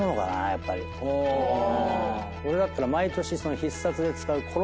俺だったら毎年『必殺』で使う殺し道具。